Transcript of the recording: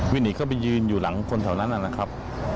วิ่งหนีเข้าไปยืนอยู่หลังคนแถวนั้นนะครับ